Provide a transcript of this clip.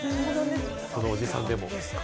このおじさんでも。